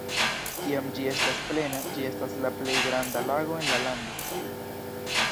Kiam ĝi estas plena, ĝi estas la plej granda lago en la lando.